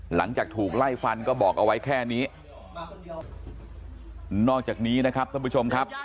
หลังจากถูกไล่ฟันก็บอกเอาไว้แค่นี้นอกจากนี้นะครับท่านผู้ชมครับ